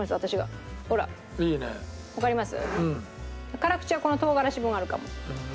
辛口はこの唐辛子分あるかも。